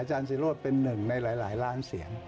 อาจารย์สิรวจเป็นหนึ่งในหลายล้านเสียง